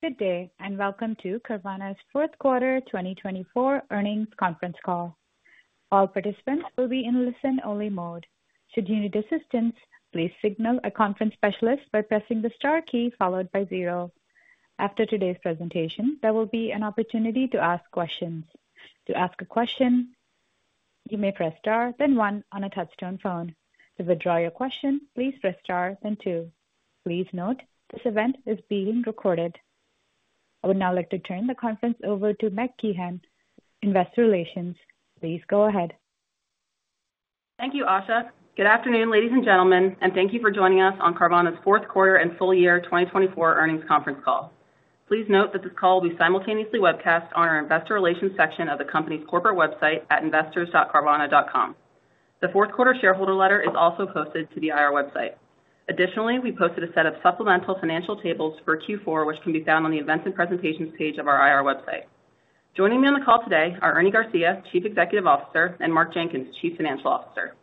Good day, and welcome to Carvana's fourth quarter 2024 earnings conference call. All participants will be in listen-only mode. Should you need assistance, please signal a conference specialist by pressing the star key followed by zero. After today's presentation, there will be an opportunity to ask questions. To ask a question, you may press star, then one on a touch-tone phone. To withdraw your question, please press star, then two. Please note this event is being recorded. I would now like to turn the conference over to Meg Kehan, Investor Relations. Please go ahead. Thank you, Asha. Good afternoon, ladies and gentlemen, and thank you for joining us on Carvana's fourth quarter and full year 2024 earnings conference call. Please note that this call will be simultaneously webcast on our Investor Relations section of the company's corporate website at investors.carvana.com. The fourth quarter shareholder letter is also posted to the IR website. Additionally, we posted a set of supplemental financial tables for Q4, which can be found on the events and presentations page of our IR website. Joining me on the call today are Ernie Garcia, Chief Executive Officer, and Mark Jenkins, Chief Financial Officer.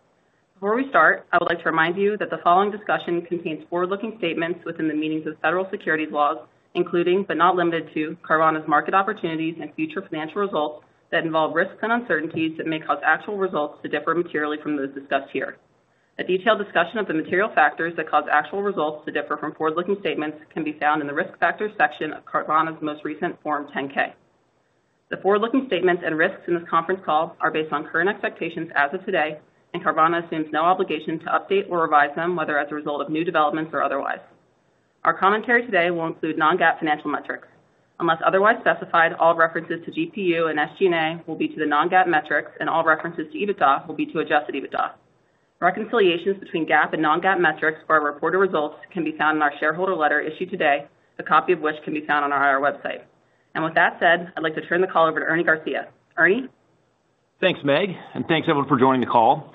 Before we start, I would like to remind you that the following discussion contains forward-looking statements within the meanings of federal securities laws, including but not limited to Carvana's market opportunities and future financial results that involve risks and uncertainties that may cause actual results to differ materially from those discussed here. A detailed discussion of the material factors that cause actual results to differ from forward-looking statements can be found in the risk factors section of Carvana's most recent Form 10-K. The forward-looking statements and risks in this conference call are based on current expectations as of today, and Carvana assumes no obligation to update or revise them, whether as a result of new developments or otherwise. Our commentary today will include Non-GAAP financial metrics. Unless otherwise specified, all references to GPU and SG&A will be to the non-GAAP metrics, and all references to EBITDA will be to adjusted EBITDA. Reconciliations between GAAP and non-GAAP metrics for our reported results can be found in our shareholder letter issued today, a copy of which can be found on our IR website. And with that said, I'd like to turn the call over to Ernie Garcia. Ernie. Thanks, Meg, and thanks everyone for joining the call.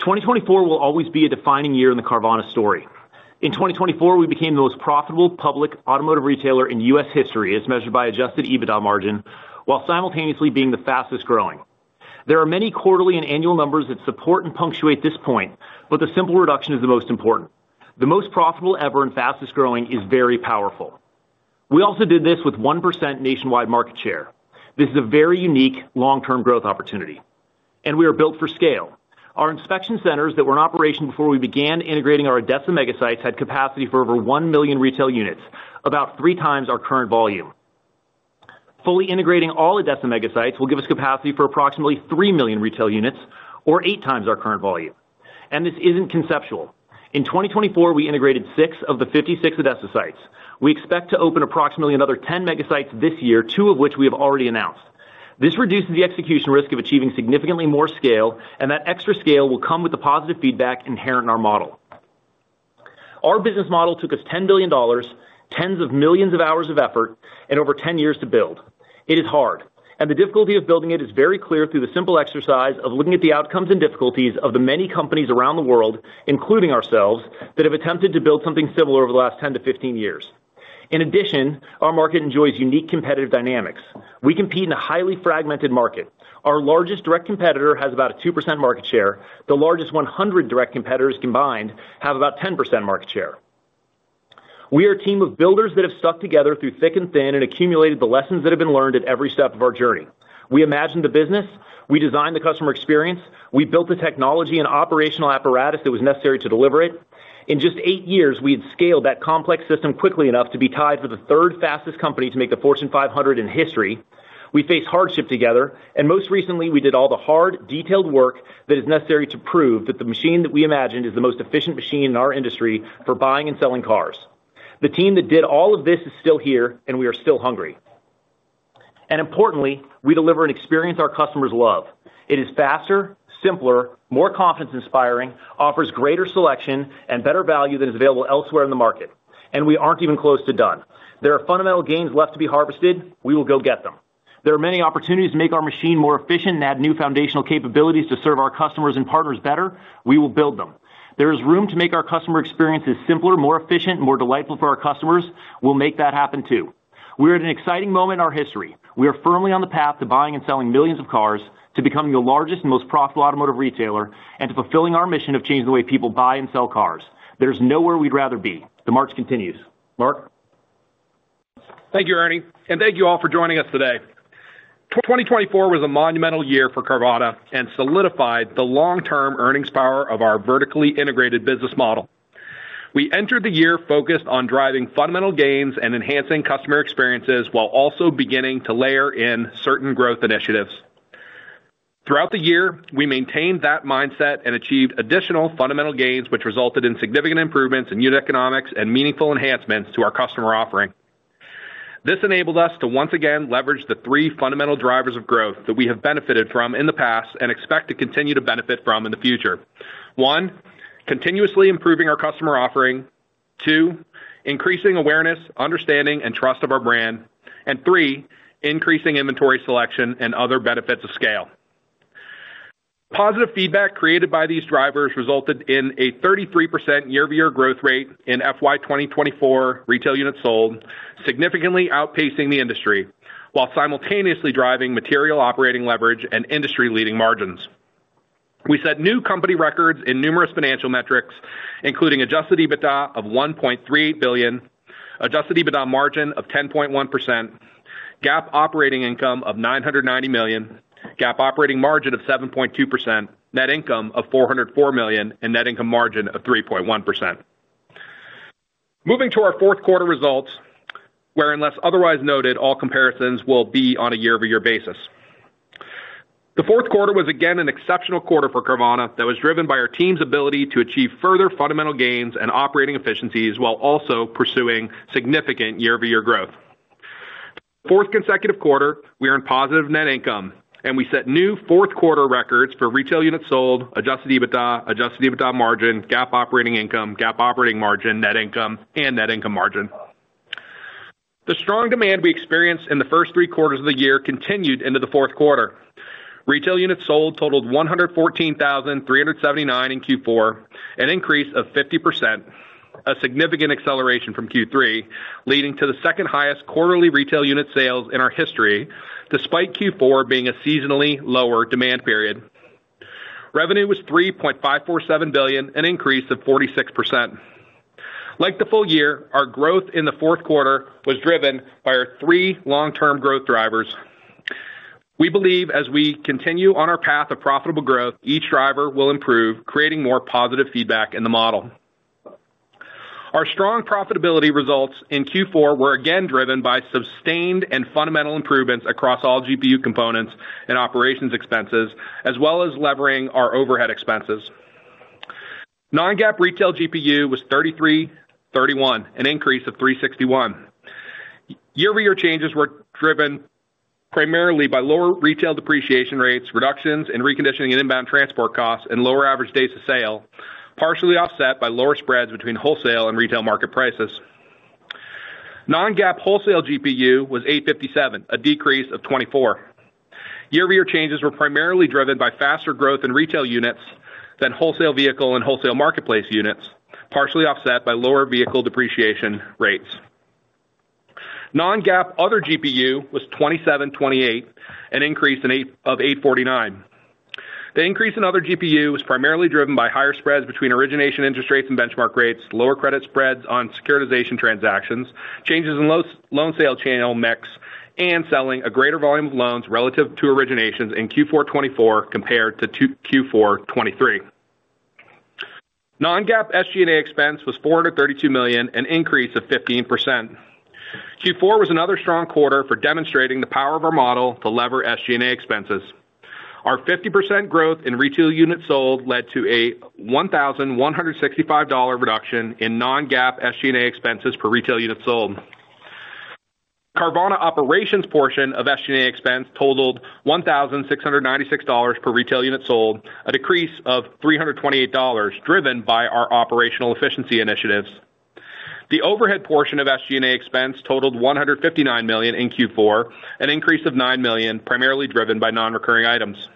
2024 will always be a defining year in the Carvana story. In 2024, we became the most profitable public automotive retailer in U.S. history, as measured by adjusted EBITDA margin, while simultaneously being the fastest growing. There are many quarterly and annual numbers that support and punctuate this point, but the simple reduction is the most important. The most profitable ever and fastest growing is very powerful. We also did this with 1% nationwide market share. This is a very unique long-term growth opportunity, and we are built for scale. Our inspection centers that were in operation before we began integrating our ADESA mega sites had capacity for over 1 million retail units, about 3x our current volume. Fully integrating all ADESA mega sites will give us capacity for approximately 3 million retail units, or eight times our current volume. This isn't conceptual. In 2024, we integrated six of the 56 ADESA sites. We expect to open approximately another 10 mega sites this year, two of which we have already announced. This reduces the execution risk of achieving significantly more scale, and that extra scale will come with the positive feedback inherent in our model. Our business model took us $10 billion, tens of millions of hours of effort, and over 10 years to build. It is hard, and the difficulty of building it is very clear through the simple exercise of looking at the outcomes and difficulties of the many companies around the world, including ourselves, that have attempted to build something similar over the last 10-15 years. In addition, our market enjoys unique competitive dynamics. We compete in a highly fragmented market. Our largest direct competitor has about a 2% market share. The largest 100 direct competitors combined have about 10% market share. We are a team of builders that have stuck together through thick and thin and accumulated the lessons that have been learned at every step of our journey. We imagined the business. We designed the customer experience. We built the technology and operational apparatus that was necessary to deliver it. In just eight years, we had scaled that complex system quickly enough to be tied for the third fastest company to make the Fortune 500 in history. We faced hardship together, and most recently, we did all the hard, detailed work that is necessary to prove that the machine that we imagined is the most efficient machine in our industry for buying and selling cars. The team that did all of this is still here, and we are still hungry, and importantly, we deliver an experience our customers love. It is faster, simpler, more confidence-inspiring, offers greater selection, and better value than is available elsewhere in the market, and we aren't even close to done. There are fundamental gains left to be harvested. We will go get them. There are many opportunities to make our machine more efficient and add new foundational capabilities to serve our customers and partners better. We will build them. There is room to make our customer experience as simpler, more efficient, and more delightful for our customers. We'll make that happen too. We are at an exciting moment in our history. We are firmly on the path to buying and selling millions of cars, to becoming the largest and most profitable automotive retailer, and to fulfilling our mission of changing the way people buy and sell cars. There is nowhere we'd rather be. The march continues. Mark. Thank you, Ernie, and thank you all for joining us today. 2024 was a monumental year for Carvana and solidified the long-term earnings power of our vertically integrated business model. We entered the year focused on driving fundamental gains and enhancing customer experiences while also beginning to layer in certain growth initiatives. Throughout the year, we maintained that mindset and achieved additional fundamental gains, which resulted in significant improvements in unit economics and meaningful enhancements to our customer offering. This enabled us to once again leverage the three fundamental drivers of growth that we have benefited from in the past and expect to continue to benefit from in the future. One, continuously improving our customer offering. Two, increasing awareness, understanding, and trust of our brand. And three, increasing inventory selection and other benefits of scale. Positive feedback created by these drivers resulted in a 33% year-to-year growth rate in FY 2024 retail units sold, significantly outpacing the industry while simultaneously driving material operating leverage and industry-leading margins. We set new company records in numerous financial metrics, including adjusted EBITDA of $1.38 billion, adjusted EBITDA margin of 10.1%, GAAP operating income of $990 million, GAAP operating margin of 7.2%, net income of $404 million, and net income margin of 3.1%. Moving to our fourth quarter results, unless otherwise noted, all comparisons will be on a year-to-year basis. The fourth quarter was again an exceptional quarter for Carvana that was driven by our team's ability to achieve further fundamental gains and operating efficiencies while also pursuing significant year-to-year growth. For the fourth consecutive quarter, we earned positive net income, and we set new fourth quarter records for retail units sold, adjusted EBITDA, adjusted EBITDA margin, GAAP operating income, GAAP operating margin, net income, and net income margin. The strong demand we experienced in the first three quarters of the year continued into the fourth quarter. Retail units sold totaled 114,379 in Q4, an increase of 50%, a significant acceleration from Q3, leading to the second highest quarterly retail unit sales in our history, despite Q4 being a seasonally lower demand period. Revenue was $3.547 billion, an increase of 46%. Like the full year, our growth in the fourth quarter was driven by our three long-term growth drivers. We believe as we continue on our path of profitable growth, each driver will improve, creating more positive feedback in the model. Our strong profitability results in Q4 were again driven by sustained and fundamental improvements across all GPU components and operations expenses, as well as leveraging our overhead expenses. Non-GAAP Retail GPU was $3,331, an increase of $361. Year-to-year changes were driven primarily by lower retail depreciation rates, reductions in reconditioning and inbound transport costs, and lower average days to sale, partially offset by lower spreads between wholesale and retail market prices. Non-GAAP Wholesale GPU was $857, a decrease of $24. Year-to-year changes were primarily driven by faster growth in retail units than wholesale vehicle and wholesale marketplace units, partially offset by lower vehicle depreciation rates. Non-GAAP Other GPU was $2,728, an increase of $849. The increase in Other GPU was primarily driven by higher spreads between origination interest rates and benchmark rates, lower credit spreads on securitization transactions, changes in loan sale channel mix, and selling a greater volume of loans relative to originations in Q4 2024 compared to Q4 2023. Non-GAAP SG&A expense was $432 million, an increase of 15%. Q4 was another strong quarter for demonstrating the power of our model to lever SG&A expenses. Our 50% growth in retail units sold led to a $1,165 reduction in non-GAAP SG&A expenses per retail unit sold. Carvana operations portion of SG&A expense totaled $1,696 per retail unit sold, a decrease of $328, driven by our operational efficiency initiatives. The overhead portion of SG&A expense totaled $159 million in Q4, an increase of $9 million, primarily driven by non-recurring items.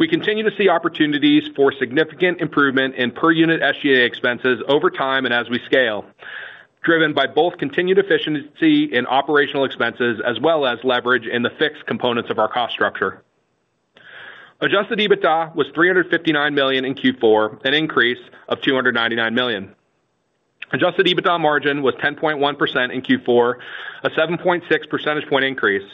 We continue to see opportunities for significant improvement in per-unit SG&A expenses over time and as we scale, driven by both continued efficiency in operational expenses as well as leverage in the fixed components of our cost structure. Adjusted EBITDA was $359 million in Q4, an increase of $299 million. Adjusted EBITDA margin was 10.1% in Q4, a 7.6 percentage point increase.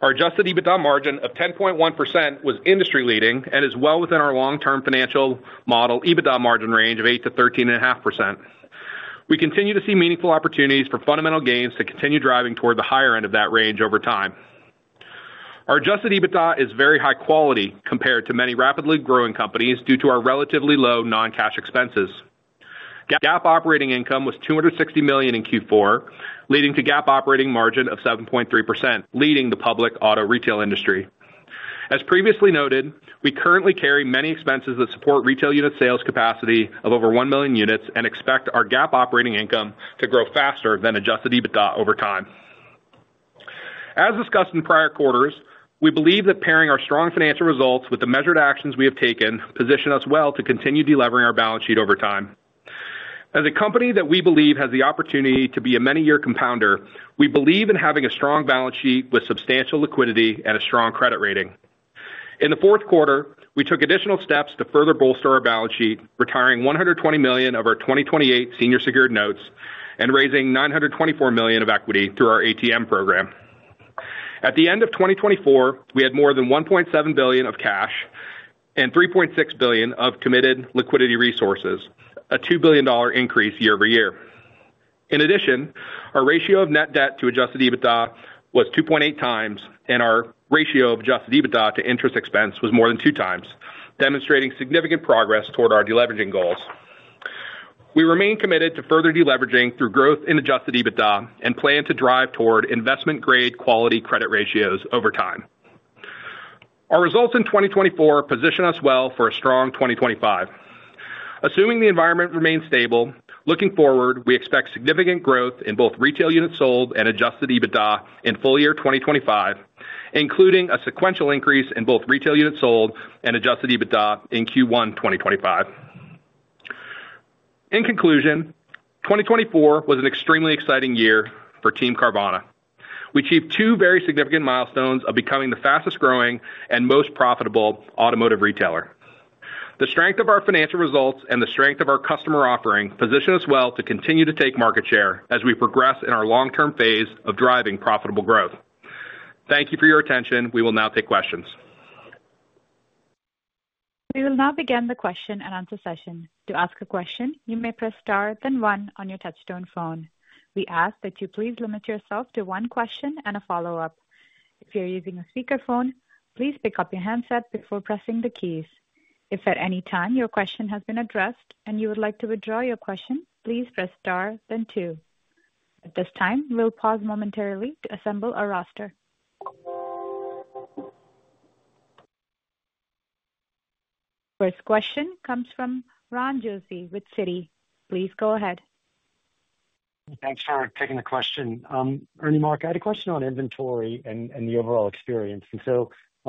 Our adjusted EBITDA margin of 10.1% was industry-leading and is well within our long-term financial model EBITDA margin range of 8%-13.5%. We continue to see meaningful opportunities for fundamental gains to continue driving toward the higher end of that range over time. Our adjusted EBITDA is very high quality compared to many rapidly growing companies due to our relatively low non-cash expenses. GAAP operating income was $260 million in Q4, leading to GAAP operating margin of 7.3%, leading the public auto retail industry. As previously noted, we currently carry many expenses that support retail unit sales capacity of over 1 million units and expect our GAAP operating income to grow faster than Adjusted EBITDA over time. As discussed in prior quarters, we believe that pairing our strong financial results with the measured actions we have taken positions us well to continue delivering our balance sheet over time. As a company that we believe has the opportunity to be a many-year compounder, we believe in having a strong balance sheet with substantial liquidity and a strong credit rating. In the fourth quarter, we took additional steps to further bolster our balance sheet, retiring $120 million of our 2028 Senior Secured Notes and raising $924 million of equity through our ATM program. At the end of 2024, we had more than $1.7 billion of cash and $3.6 billion of committed liquidity resources, a $2 billion increase year-over-year. In addition, our ratio of net debt to adjusted EBITDA was 2.8x, and our ratio of adjusted EBITDA to interest expense was more than 2x, demonstrating significant progress toward our deleveraging goals. We remain committed to further deleveraging through growth in adjusted EBITDA and plan to drive toward investment-grade quality credit ratios over time. Our results in 2024 position us well for a strong 2025. Assuming the environment remains stable, looking forward, we expect significant growth in both retail units sold and adjusted EBITDA in full year 2025, including a sequential increase in both retail units sold and adjusted EBITDA in Q1 2025. In conclusion, 2024 was an extremely exciting year for Team Carvana. We achieved two very significant milestones of becoming the fastest-growing and most profitable automotive retailer. The strength of our financial results and the strength of our customer offering position us well to continue to take market share as we progress in our long-term phase of driving profitable growth. Thank you for your attention. We will now take questions. We will now begin the question and answer session. To ask a question, you may press star then one on your touch-tone phone. We ask that you please limit yourself to one question and a follow-up. If you're using a speakerphone, please pick up your handset before pressing the keys. If at any time your question has been addressed and you would like to withdraw your question, please press star then two. At this time, we'll pause momentarily to assemble a roster. First question comes from Ron Josey with Citi. Please go ahead. Thanks for taking the question. Ernie, Mark, I had a question on inventory and the overall experience, and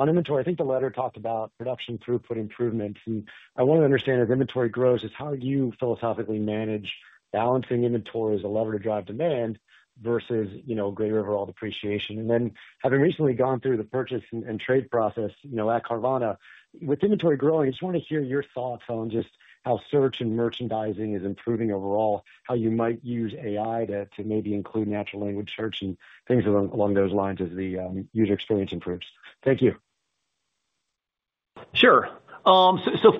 so on inventory, I think the letter talked about production throughput improvements, and I want to understand as inventory grows, how do you philosophically manage balancing inventory as a lever to drive demand versus greater overall depreciation, and then having recently gone through the purchase and trade process at Carvana, with inventory growing, I just want to hear your thoughts on just how search and merchandising is improving overall, how you might use AI to maybe include natural language search and things along those lines as the user experience improves. Thank you. Sure.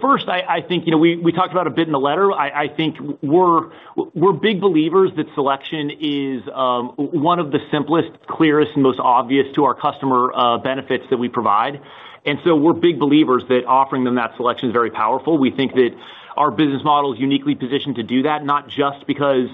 First, I think we talked about it a bit in the letter. I think we're big believers that selection is one of the simplest, clearest, and most obvious benefits to our customers that we provide. We're big believers that offering them that selection is very powerful. We think that our business model is uniquely positioned to do that, not just because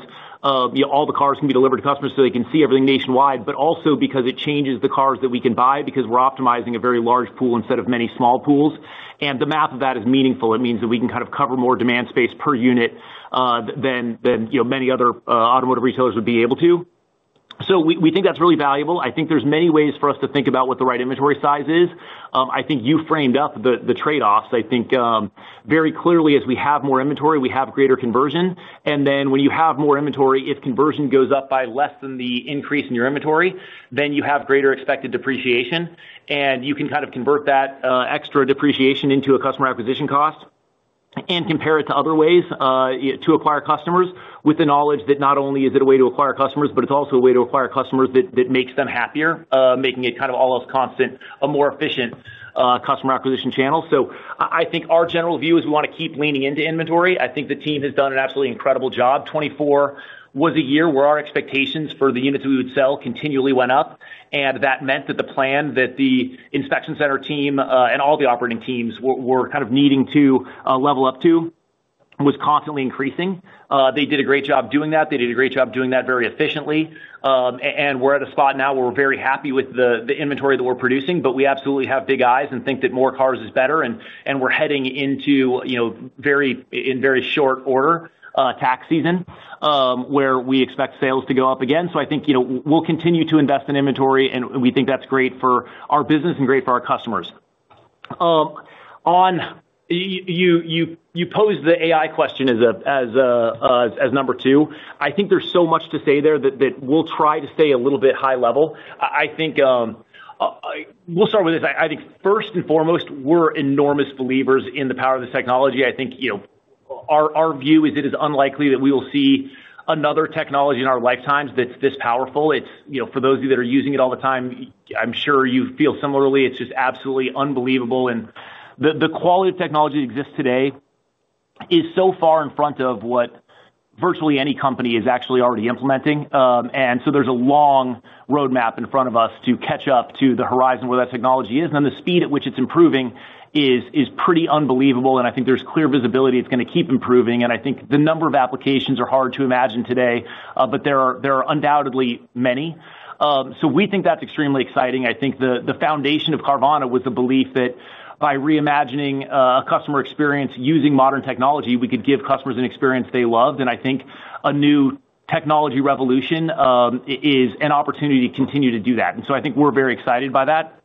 all the cars can be delivered to customers so they can see everything nationwide, but also because it changes the cars that we can buy because we're optimizing a very large pool instead of many small pools. The math of that is meaningful. It means that we can kind of cover more demand space per unit than many other automotive retailers would be able to. We think that's really valuable. I think there's many ways for us to think about what the right inventory size is. I think you framed up the trade-offs. I think very clearly as we have more inventory, we have greater conversion. And then when you have more inventory, if conversion goes up by less than the increase in your inventory, then you have greater expected depreciation. And you can kind of convert that extra depreciation into a customer acquisition cost and compare it to other ways to acquire customers with the knowledge that not only is it a way to acquire customers, but it's also a way to acquire customers that makes them happier, making it kind of almost constant, a more efficient customer acquisition channel. So I think our general view is we want to keep leaning into inventory. I think the team has done an absolutely incredible job. 2024 was a year where our expectations for the units we would sell continually went up. And that meant that the plan that the inspection center team and all the operating teams were kind of needing to level up to was constantly increasing. They did a great job doing that. They did a great job doing that very efficiently. And we're at a spot now where we're very happy with the inventory that we're producing, but we absolutely have big eyes and think that more cars is better. And we're heading into very, in very short order, tax season where we expect sales to go up again. So I think we'll continue to invest in inventory, and we think that's great for our business and great for our customers. You posed the AI question as number two. I think there's so much to say there that we'll try to stay a little bit high level. I think we'll start with this. I think first and foremost, we're enormous believers in the power of this technology. I think our view is it is unlikely that we will see another technology in our lifetimes that's this powerful. For those of you that are using it all the time, I'm sure you feel similarly. It's just absolutely unbelievable. And the quality of technology that exists today is so far in front of what virtually any company is actually already implementing. And so there's a long roadmap in front of us to catch up to the horizon where that technology is. And the speed at which it's improving is pretty unbelievable. And I think there's clear visibility it's going to keep improving. And I think the number of applications are hard to imagine today, but there are undoubtedly many. So we think that's extremely exciting. I think the foundation of Carvana was the belief that by reimagining a customer experience using modern technology, we could give customers an experience they loved. And I think a new technology revolution is an opportunity to continue to do that. And so I think we're very excited by that.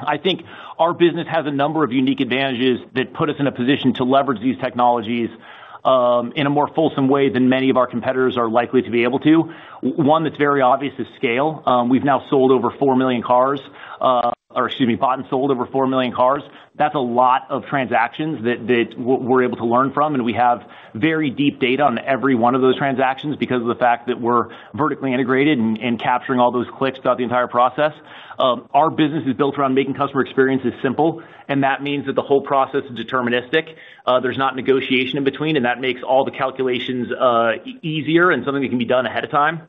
I think our business has a number of unique advantages that put us in a position to leverage these technologies in a more fulsome way than many of our competitors are likely to be able to. One that's very obvious is scale. We've now sold over 4 million cars or excuse me, bought and sold over 4 million cars. That's a lot of transactions that we're able to learn from. And we have very deep data on every one of those transactions because of the fact that we're vertically integrated and capturing all those clicks throughout the entire process. Our business is built around making customer experiences simple. And that means that the whole process is deterministic. There's not negotiation in between. And that makes all the calculations easier and something that can be done ahead of time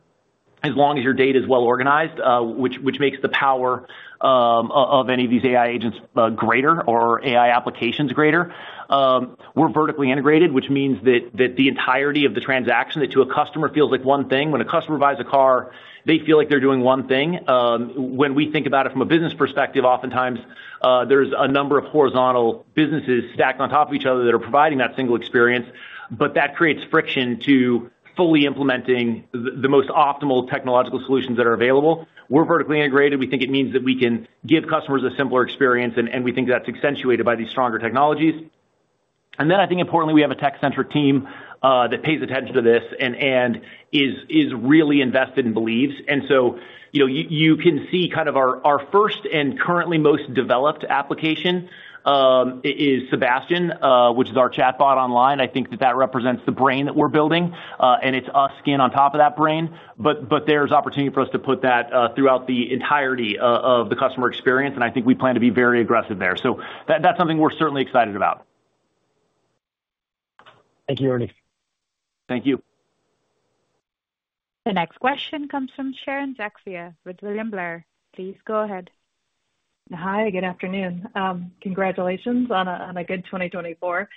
as long as your data is well organized, which makes the power of any of these AI agents greater or AI applications greater. We're vertically integrated, which means that the entirety of the transaction that to a customer feels like one thing. When a customer buys a car, they feel like they're doing one thing. When we think about it from a business perspective, oftentimes there's a number of horizontal businesses stacked on top of each other that are providing that single experience. But that creates friction to fully implementing the most optimal technological solutions that are available, we're vertically integrated. We think it means that we can give customers a simpler experience, and we think that's accentuated by these stronger technologies, and then I think importantly, we have a tech-centric team that pays attention to this and is really invested and believes, and so you can see kind of our first and currently most developed application is Sebastian, which is our chatbot online. I think that that represents the brain that we're building, and it's our skin on top of that brain, but there's opportunity for us to put that throughout the entirety of the customer experience. I think we plan to be very aggressive there. That's something we're certainly excited about. Thank you, Ernie. Thank you. The next question comes from Sharon Zackfia with William Blair. Please go ahead. Hi, good afternoon. Congratulations on a good 2024.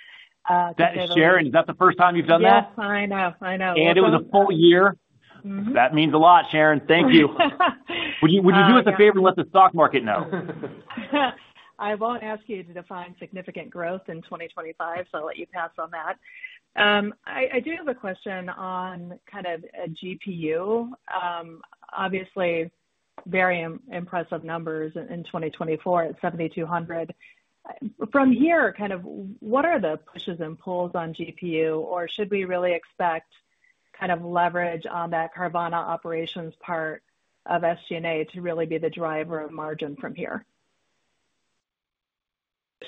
That is Sharon. Is that the first time you've done that? Yes, I know. I know. It was a full year. That means a lot, Sharon. Thank you. Would you do us a favor and let the stock market know? I won't ask you to define significant growth in 2025, so I'll let you pass on that. I do have a question on kind of a GPU. Obviously, very impressive numbers in 2024 at 7,200. From here, kind of what are the pushes and pulls on GPU, or should we really expect kind of leverage on that Carvana operations part of SG&A to really be the driver of margin from here?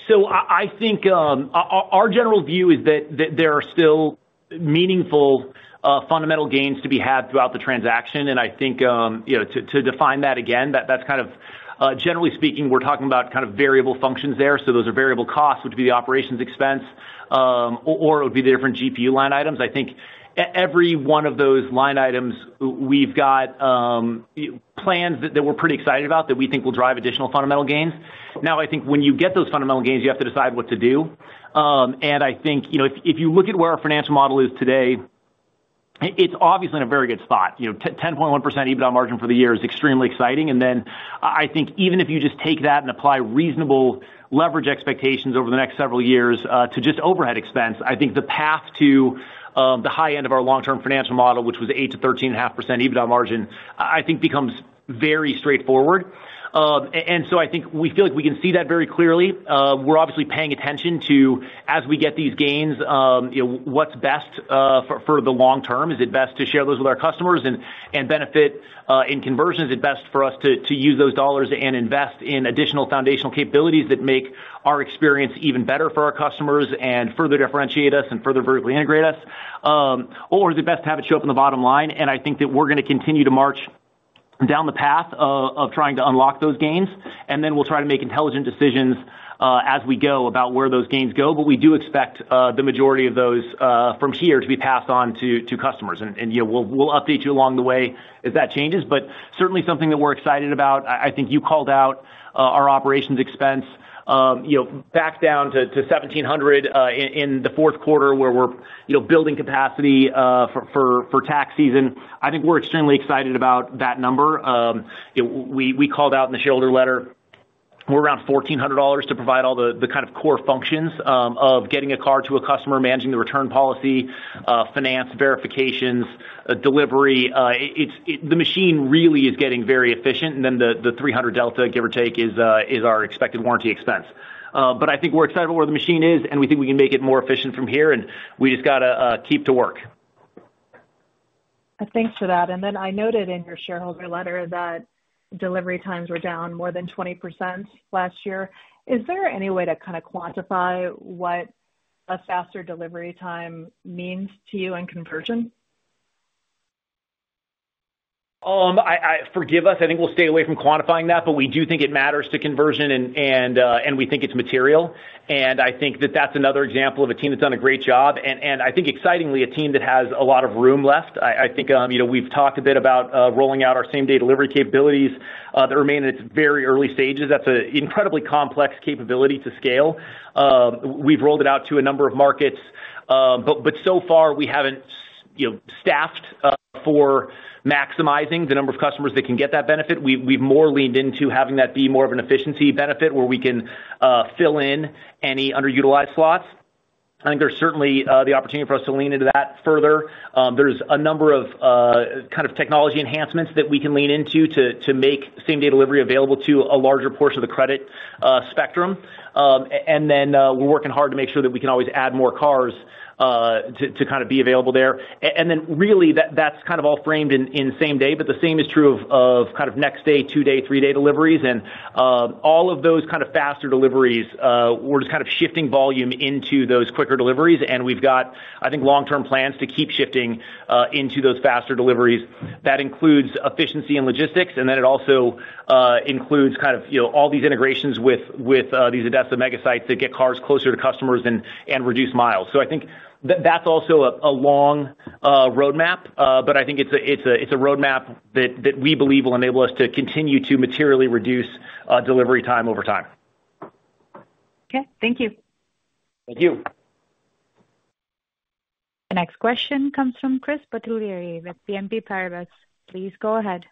So I think our general view is that there are still meaningful fundamental gains to be had throughout the transaction. And I think to define that again, that's kind of generally speaking, we're talking about kind of variable functions there. So those are variable costs, which would be the operations expense, or it would be the different GPU line items. I think every one of those line items, we've got plans that we're pretty excited about that we think will drive additional fundamental gains. Now, I think when you get those fundamental gains, you have to decide what to do. And I think if you look at where our financial model is today, it's obviously in a very good spot. 10.1% EBITDA margin for the year is extremely exciting. And then I think even if you just take that and apply reasonable leverage expectations over the next several years to just overhead expense, I think the path to the high end of our long-term financial model, which was 8%-13.5% EBITDA margin, I think becomes very straightforward. And so I think we feel like we can see that very clearly. We're obviously paying attention to, as we get these gains, what's best for the long term. Is it best to share those with our customers and benefit in conversion? Is it best for us to use those dollars and invest in additional foundational capabilities that make our experience even better for our customers and further differentiate us and further vertically integrate us? Or is it best to have it show up in the bottom line? And I think that we're going to continue to march down the path of trying to unlock those gains. And then we'll try to make intelligent decisions as we go about where those gains go. But we do expect the majority of those from here to be passed on to customers. And we'll update you along the way as that changes. But certainly something that we're excited about. I think you called out our operations expense back down to 1,700 in the fourth quarter where we're building capacity for tax season. I think we're extremely excited about that number. We called out in the shareholder letter. We're around $1,400 to provide all the kind of core functions of getting a car to a customer, managing the return policy, finance, verifications, delivery. The machine really is getting very efficient. Then the 300 delta, give or take, is our expected warranty expense. I think we're excited about where the machine is, and we think we can make it more efficient from here. We just got to keep to work. Thanks for that. And then I noted in your shareholder letter that delivery times were down more than 20% last year. Is there any way to kind of quantify what a faster delivery time means to you and conversion? Forgive us. I think we'll stay away from quantifying that, but we do think it matters to conversion, and we think it's material. And I think that that's another example of a team that's done a great job. And I think excitingly, a team that has a lot of room left. I think we've talked a bit about rolling out our same-day delivery capabilities that remain at its very early stages. That's an incredibly complex capability to scale. We've rolled it out to a number of markets. But so far, we haven't staffed for maximizing the number of customers that can get that benefit. We've more leaned into having that be more of an efficiency benefit where we can fill in any underutilized slots. I think there's certainly the opportunity for us to lean into that further. There's a number of kind of technology enhancements that we can lean into to make same-day delivery available to a larger portion of the credit spectrum. And then we're working hard to make sure that we can always add more cars to kind of be available there. And then really, that's kind of all framed in same-day, but the same is true of kind of next-day, two-day, three-day deliveries. And all of those kind of faster deliveries, we're just kind of shifting volume into those quicker deliveries. And we've got, I think, long-term plans to keep shifting into those faster deliveries. That includes efficiency and logistics. And then it also includes kind of all these integrations with these ADESA Mega Sites that get cars closer to customers and reduce miles. So I think that's also a long roadmap. But I think it's a roadmap that we believe will enable us to continue to materially reduce delivery time over time. Okay. Thank you. Thank you. The next question comes from Chris Bottiglieri with BNP Paribas. Please go ahead.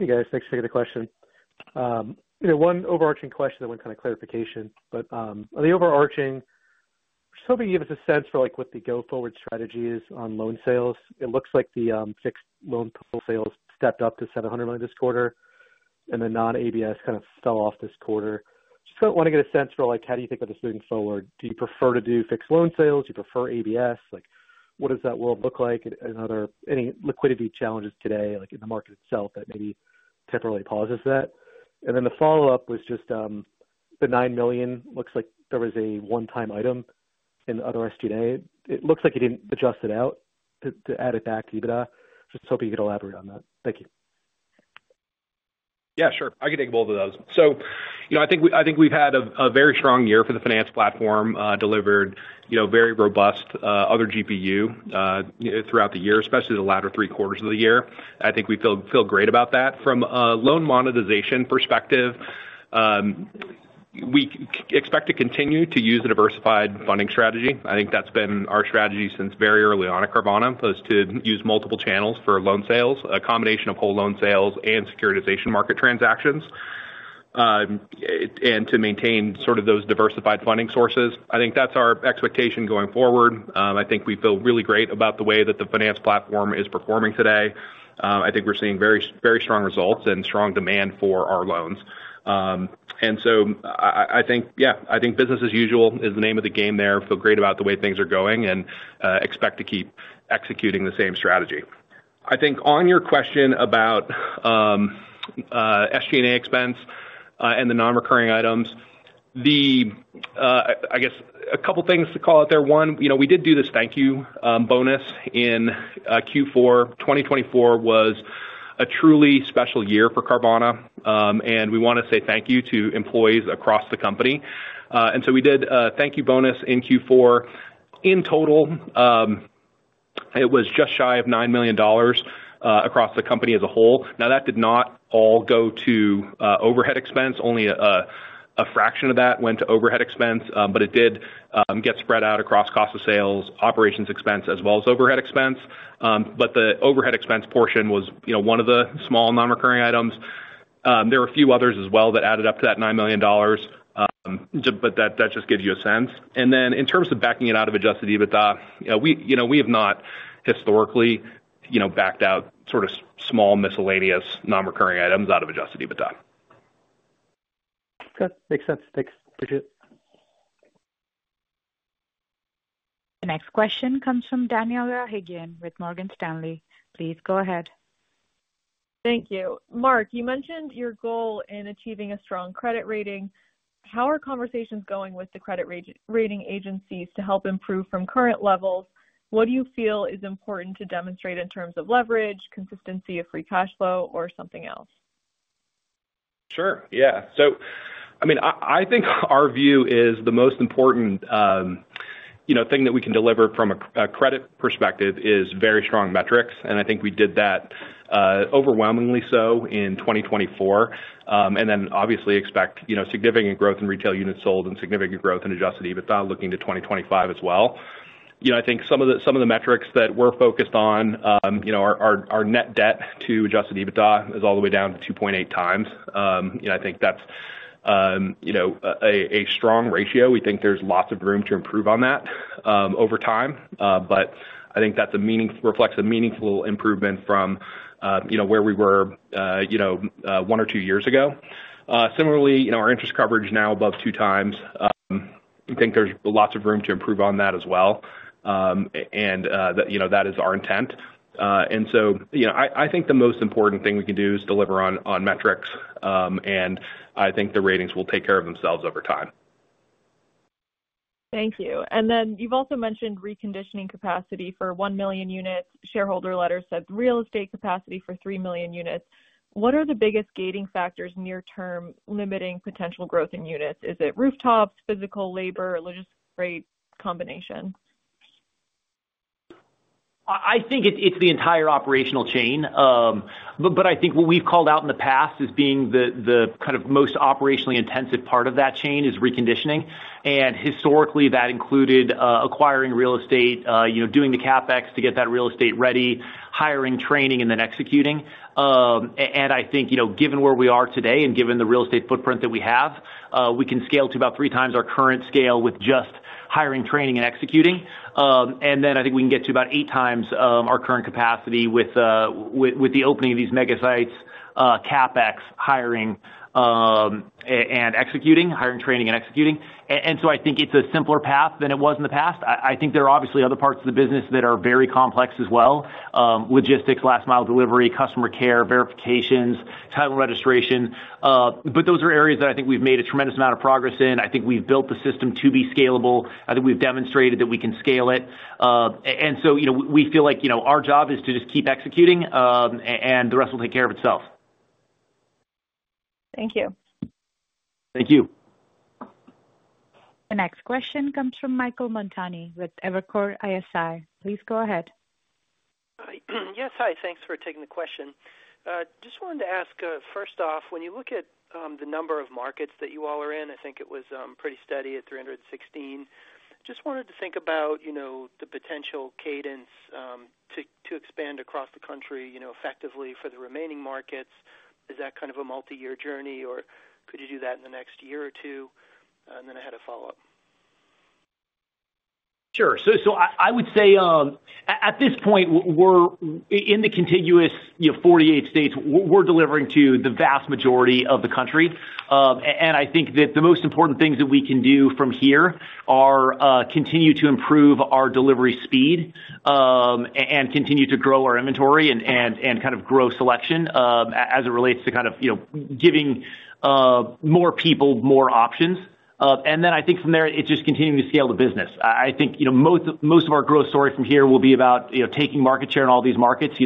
Hey, guys. Thanks for the question. One overarching question that went kind of clarification, but the overarching, just hoping you give us a sense for what the go-forward strategy is on loan sales. It looks like the fixed loan sales stepped up to $700 million this quarter, and the non-ABS kind of fell off this quarter. Just want to get a sense for how do you think about this moving forward? Do you prefer to do fixed loan sales? Do you prefer ABS? What does that world look like? Any liquidity challenges today in the market itself that maybe temporarily pauses that, and then the follow-up was just the $9 million. Looks like there was a one-time item in other SG&A. It looks like you didn't adjust it out to add it back to EBITDA. Just hoping you could elaborate on that. Thank you. Yeah, sure. I can take both of those. So I think we've had a very strong year for the finance platform, delivered very robust Other GPU throughout the year, especially the latter three quarters of the year. I think we feel great about that. From a loan monetization perspective, we expect to continue to use a diversified funding strategy. I think that's been our strategy since very early on at Carvana is to use multiple channels for loan sales, a combination of whole loan sales and securitization market transactions, and to maintain sort of those diversified funding sources. I think that's our expectation going forward. I think we feel really great about the way that the finance platform is performing today. I think we're seeing very strong results and strong demand for our loans. And so I think, yeah, I think business as usual is the name of the game there. I feel great about the way things are going and expect to keep executing the same strategy. I think on your question about SG&A expense and the non-recurring items, I guess a couple of things to call out there. One, we did do this thank you bonus in Q4. 2024 was a truly special year for Carvana. And we want to say thank you to employees across the company. And so we did a thank you bonus in Q4. In total, it was just shy of $9 million across the company as a whole. Now, that did not all go to overhead expense. Only a fraction of that went to overhead expense. But it did get spread out across cost of sales, operations expense, as well as overhead expense. But the overhead expense portion was one of the small non-recurring items. There were a few others as well that added up to that $9 million. But that just gives you a sense. And then in terms of backing it out of adjusted EBITDA, we have not historically backed out sort of small miscellaneous non-recurring items out of adjusted EBITDA. Okay. Makes sense. Thanks. Appreciate it. The next question comes from Daniela Haigian with Morgan Stanley. Please go ahead. Thank you. Mark, you mentioned your goal in achieving a strong credit rating. How are conversations going with the credit rating agencies to help improve from current levels? What do you feel is important to demonstrate in terms of leverage, consistency of free cash flow, or something else? Sure. Yeah. So I mean, I think our view is the most important thing that we can deliver from a credit perspective is very strong metrics. And I think we did that overwhelmingly so in 2024. And then obviously expect significant growth in retail units sold and significant growth in Adjusted EBITDA looking to 2025 as well. I think some of the metrics that we're focused on, our net debt to adjusted EBITDA is all the way down to 2.8 times. I think that's a strong ratio. We think there's lots of room to improve on that over time. But I think that reflects a meaningful improvement from where we were one or two years ago. Similarly, our interest coverage is now above two times. I think there's lots of room to improve on that as well. And that is our intent. And so I think the most important thing we can do is deliver on metrics. And I think the ratings will take care of themselves over time. Thank you. And then you've also mentioned reconditioning capacity for 1 million units. Shareholder letter said real estate capacity for 3 million units. What are the biggest gating factors near-term limiting potential growth in units? Is it rooftops, physical labor, or legislative combination? I think it's the entire operational chain. But I think what we've called out in the past as being the kind of most operationally intensive part of that chain is reconditioning. And historically, that included acquiring real estate, doing the CapEx to get that real estate ready, hiring, training, and then executing. And I think given where we are today and given the real estate footprint that we have, we can scale to about 3x our current scale with just hiring, training, and executing. And then I think we can get to about 8x our current capacity with the opening of these mega sites, CapEx, hiring, and executing, hiring, training, and executing. And so I think it's a simpler path than it was in the past. I think there are obviously other parts of the business that are very complex as well: logistics, last-mile delivery, customer care, verifications, title registration. But those are areas that I think we've made a tremendous amount of progress in. I think we've built the system to be scalable. I think we've demonstrated that we can scale it. And so we feel like our job is to just keep executing, and the rest will take care of itself. Thank you. Thank you. The next question comes from Michael Montani with Evercore ISI. Please go ahead. Yes. Hi. Thanks for taking the question. Just wanted to ask, first off, when you look at the number of markets that you all are in, I think it was pretty steady at 316. Just wanted to think about the potential cadence to expand across the country effectively for the remaining markets. Is that kind of a multi-year journey, or could you do that in the next year or two, and then I had a follow-up. Sure. So I would say at this point, in the contiguous 48 states, we're delivering to the vast majority of the country. And I think that the most important things that we can do from here are continue to improve our delivery speed and continue to grow our inventory and kind of grow selection as it relates to kind of giving more people more options. And then I think from there, it's just continuing to scale the business. I think most of our growth story from here will be about taking market share in all these markets.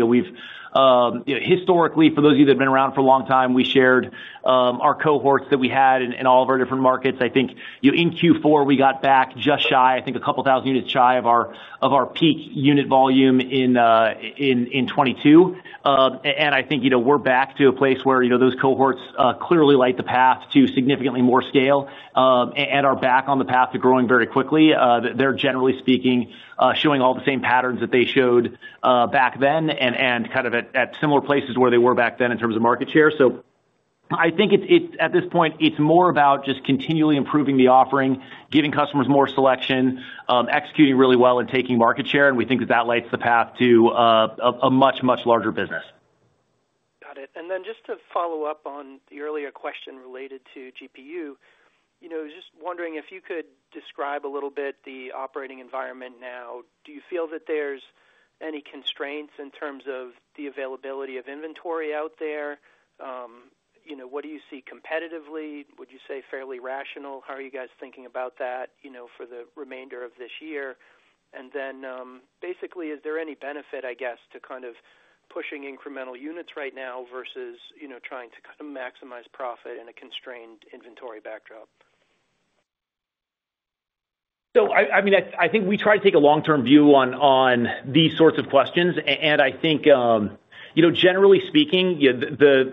Historically, for those of you that have been around for a long time, we shared our cohorts that we had in all of our different markets. I think in Q4, we got back just shy, I think a couple thousand units shy of our peak unit volume in 2022. And I think we're back to a place where those cohorts clearly light the path to significantly more scale and are back on the path to growing very quickly. They're generally speaking showing all the same patterns that they showed back then and kind of at similar places where they were back then in terms of market share. So I think at this point, it's more about just continually improving the offering, giving customers more selection, executing really well, and taking market share. And we think that that lights the path to a much, much larger business. Got it. And then just to follow up on the earlier question related to GPU, just wondering if you could describe a little bit the operating environment now. Do you feel that there's any constraints in terms of the availability of inventory out there? What do you see competitively? Would you say fairly rational? How are you guys thinking about that for the remainder of this year? And then basically, is there any benefit, I guess, to kind of pushing incremental units right now versus trying to kind of maximize profit in a constrained inventory backdrop? So I mean, I think we try to take a long-term view on these sorts of questions. And I think, generally speaking, the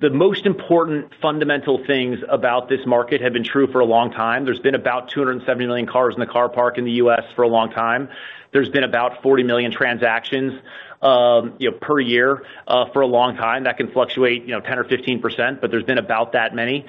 most important fundamental things about this market have been true for a long time. There's been about 270 million cars in the car park in the U.S. for a long time. There's been about 40 million transactions per year for a long time. That can fluctuate 10% or 15%, but there's been about that many.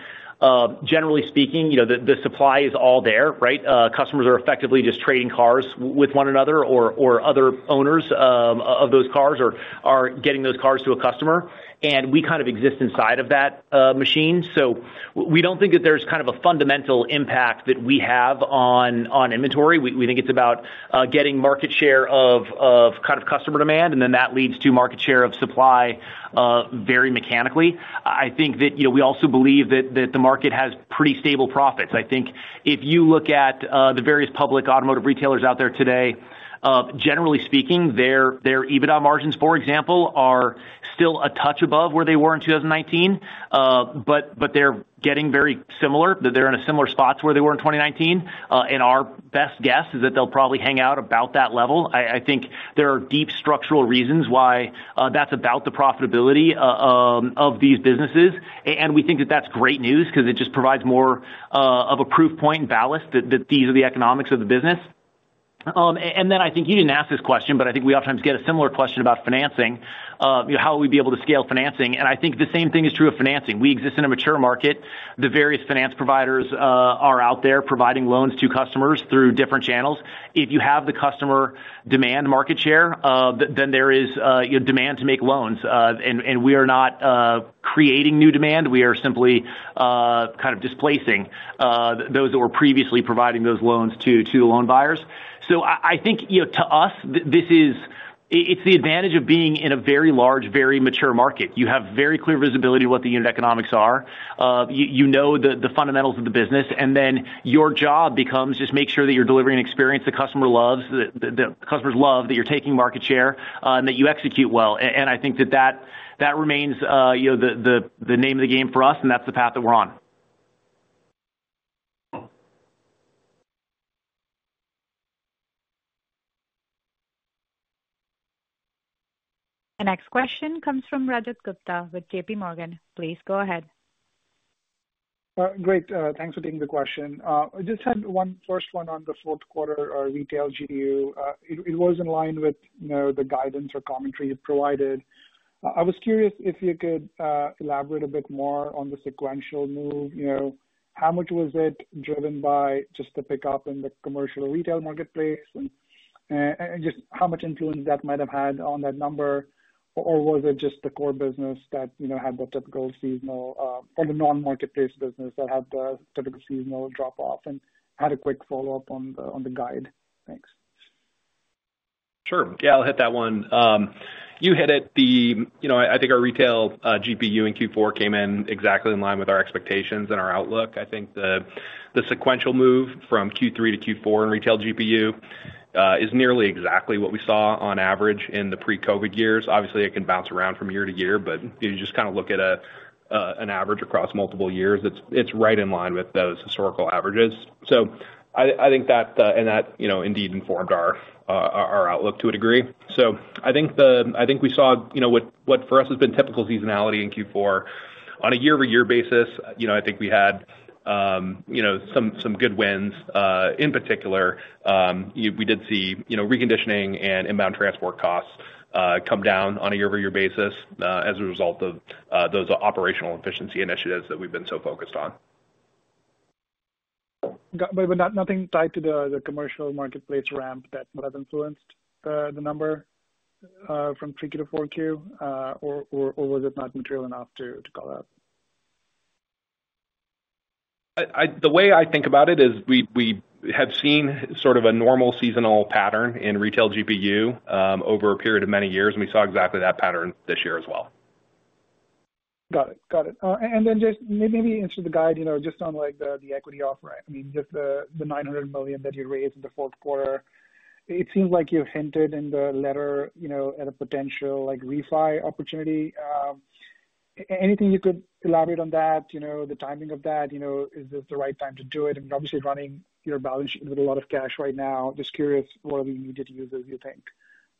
Generally speaking, the supply is all there, right? Customers are effectively just trading cars with one another or other owners of those cars or getting those cars to a customer. And we kind of exist inside of that machine. So we don't think that there's kind of a fundamental impact that we have on inventory. We think it's about getting market share of kind of customer demand, and then that leads to market share of supply very mechanically. I think that we also believe that the market has pretty stable profits. I think if you look at the various public automotive retailers out there today, generally speaking, their EBITDA margins, for example, are still a touch above where they were in 2019, but they're getting very similar that they're in a similar spot to where they were in 2019, and our best guess is that they'll probably hang out about that level. I think there are deep structural reasons why that's about the profitability of these businesses, and we think that that's great news because it just provides more of a proof point and ballast that these are the economics of the business. And then I think you didn't ask this question, but I think we oftentimes get a similar question about financing. How will we be able to scale financing? And I think the same thing is true of financing. We exist in a mature market. The various finance providers are out there providing loans to customers through different channels. If you have the customer demand market share, then there is demand to make loans. And we are not creating new demand. We are simply kind of displacing those that were previously providing those loans to loan buyers. So I think to us, it's the advantage of being in a very large, very mature market. You have very clear visibility of what the unit economics are. You know the fundamentals of the business. Then your job becomes just make sure that you're delivering an experience the customer loves, that customers love that you're taking market share and that you execute well. I think that that remains the name of the game for us, and that's the path that we're on. The next question comes from Rajat Gupta with JPMorgan. Please go ahead. Great. Thanks for taking the question. I just had one first one on the fourth quarter Retail GPU. It was in line with the guidance or commentary you provided. I was curious if you could elaborate a bit more on the sequential move. How much was it driven by just the pickup in the commercial retail marketplace and just how much influence that might have had on that number? Or was it just the core business that had the typical seasonal or the non-marketplace business that had the typical seasonal drop-off and had a quick follow-up on the guide? Thanks. Sure. Yeah, I'll hit that one. You hit it. I think our Retail GPU in Q4 came in exactly in line with our expectations and our outlook. I think the sequential move from Q3 to Q4 in Retail GPU is nearly exactly what we saw on average in the pre-COVID years. Obviously, it can bounce around from year-to-year, but you just kind of look at an average across multiple years, it's right in line with those historical averages. So I think that indeed informed our outlook to a degree. So I think we saw what for us has been typical seasonality in Q4. On a year-over-year basis, I think we had some good wins. In particular, we did see reconditioning and inbound transport costs come down on a year-over-year basis as a result of those operational efficiency initiatives that we've been so focused on. But nothing tied to the commercial marketplace ramp that has influenced the number from 3Q to 4Q, or was it not material enough to call out? The way I think about it is we have seen sort of a normal seasonal pattern in Retail GPU over a period of many years, and we saw exactly that pattern this year as well. Got it. Got it. And then just maybe a question just on the equity off-ramp. I mean, just the $900 million that you raised in the fourth quarter, it seems like you hinted in the letter at a potential refi opportunity. Anything you could elaborate on that, the timing of that? Is this the right time to do it? And obviously, running your balance sheet with a lot of cash right now, just curious what are the immediate uses you think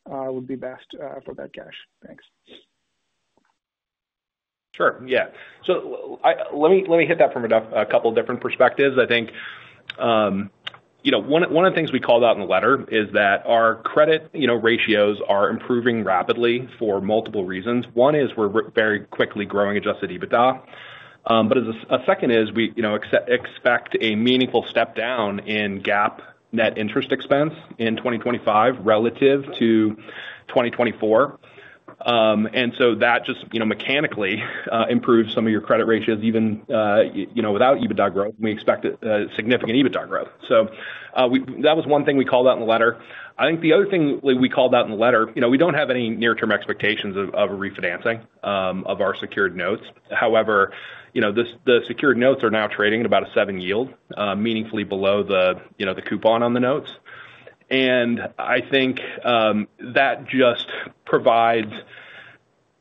would be best for that cash? Thanks. Sure. Yeah. So let me hit that from a couple of different perspectives. I think one of the things we called out in the letter is that our credit ratios are improving rapidly for multiple reasons. One is we're very quickly growing adjusted EBITDA. But a second is we expect a meaningful step down in GAAP net interest expense in 2025 relative to 2024. And so that just mechanically improves some of your credit ratios even without EBITDA growth. We expect significant EBITDA growth. So that was one thing we called out in the letter. I think the other thing we called out in the letter, we don't have any near-term expectations of refinancing of our secured notes. However, the secured notes are now trading at about a 7% yield, meaningfully below the coupon on the notes. And I think that just provides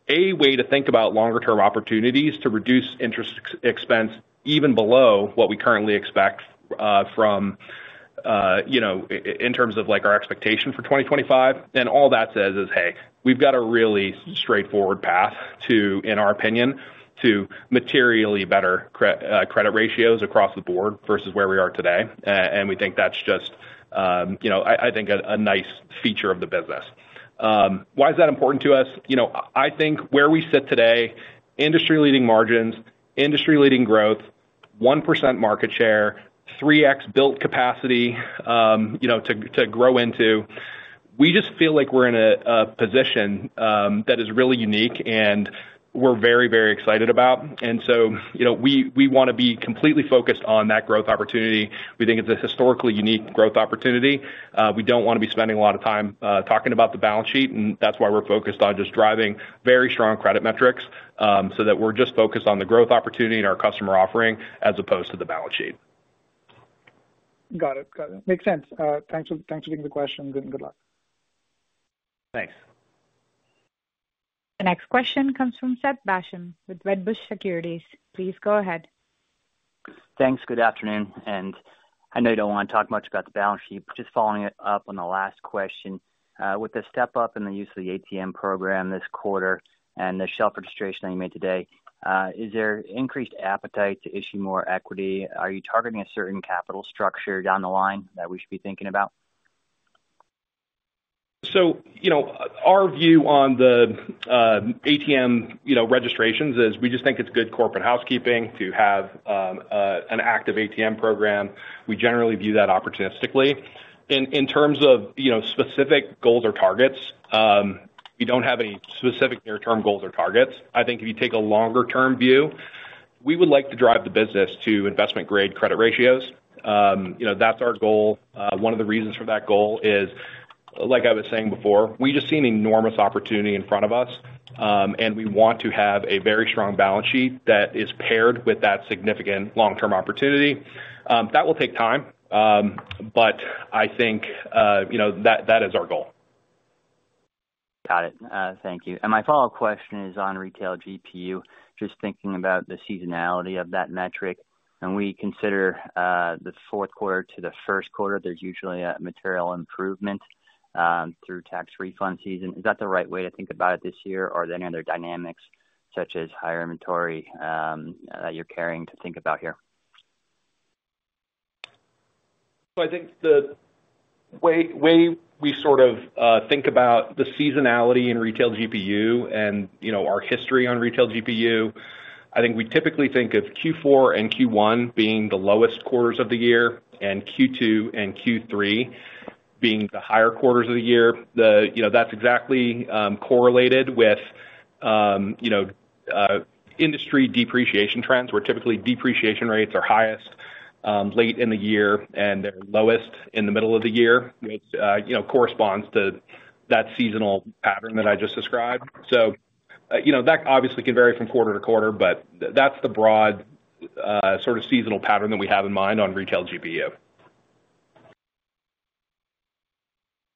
a way to think about longer-term opportunities to reduce interest expense even below what we currently expect in terms of our expectation for 2025. And all that says is, hey, we've got a really straightforward path, in our opinion, to materially better credit ratios across the board versus where we are today. And we think that's just, I think, a nice feature of the business. Why is that important to us? I think where we sit today, industry-leading margins, industry-leading growth, 1% market share, 3x built capacity to grow into, we just feel like we're in a position that is really unique and we're very, very excited about. And so we want to be completely focused on that growth opportunity. We think it's a historically unique growth opportunity. We don't want to be spending a lot of time talking about the balance sheet, and that's why we're focused on just driving very strong credit metrics so that we're just focused on the growth opportunity and our customer offering as opposed to the balance sheet. Got it. Got it. Makes sense. Thanks for taking the question and good luck. Thanks. The next question comes from Seth Basham with Wedbush Securities. Please go ahead. Thanks. Good afternoon, and I know you don't want to talk much about the balance sheet, but just following up on the last question, with the step-up in the use of the ATM program this quarter and the shelf registration that you made today, is there increased appetite to issue more equity? Are you targeting a certain capital structure down the line that we should be thinking about? So our view on the ATM registrations is we just think it's good corporate housekeeping to have an active ATM program. We generally view that opportunistically. In terms of specific goals or targets, we don't have any specific near-term goals or targets. I think if you take a longer-term view, we would like to drive the business to investment-grade credit ratios. That's our goal. One of the reasons for that goal is, like I was saying before, we just see an enormous opportunity in front of us, and we want to have a very strong balance sheet that is paired with that significant long-term opportunity. That will take time, but I think that is our goal. Got it. Thank you. And my follow-up question is on Retail GPU, just thinking about the seasonality of that metric. And we consider the fourth quarter to the first quarter, there's usually a material improvement through tax refund season. Is that the right way to think about it this year, or are there any other dynamics such as higher inventory that you're carrying to think about here? So I think the way we sort of think about the seasonality in Retail GPU and our history on Retail GPU, I think we typically think of Q4 and Q1 being the lowest quarters of the year and Q2 and Q3 being the higher quarters of the year. That's exactly correlated with industry depreciation trends, where typically depreciation rates are highest late in the year and they're lowest in the middle of the year, which corresponds to that seasonal pattern that I just described. So that obviously can vary from quarter to quarter, but that's the broad sort of seasonal pattern that we have in mind on Retail GPU.